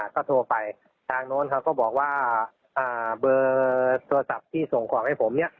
ก็โทรไปทางโน้นเขาก็บอกว่าเบอร์โทรศัพท์ที่ส่งของให้ผมเนี่ย